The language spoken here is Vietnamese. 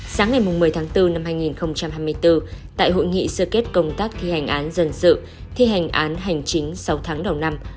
sáng ngày một mươi tháng bốn năm hai nghìn hai mươi bốn tại hội nghị sơ kết công tác thi hành án dân sự thi hành án hành chính sáu tháng đầu năm